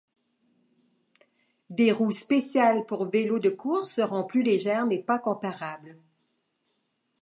Des roues spéciales pour vélos de course seront plus légères, mais pas comparables.